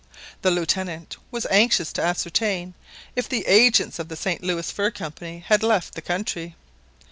The Lieutenant was anxious to ascertain if the agents of the St Louis Fur Company had left the country.